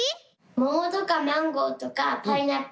モモとかマンゴーとかパイナップル。